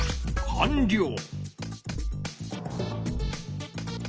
かんりょう！